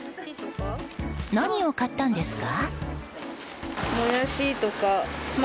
何を買ったんですか？